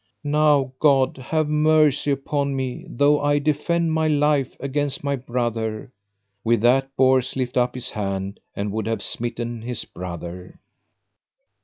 Now God have mercy upon me though I defend my life against my brother: with that Bors lift up his hand and would have smitten his brother.